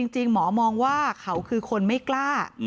จริงหมอมองว่าเขาคือคนไม่กล้า